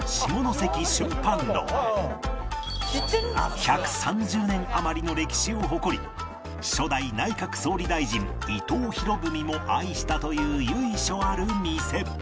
１３０年余りの歴史を誇り初代内閣総理大臣伊藤博文も愛したという由緒ある店